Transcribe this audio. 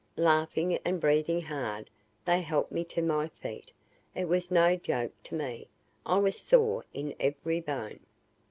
Laughing and breathing hard, they helped me to my feet. It was no joke to me. I was sore in every bone.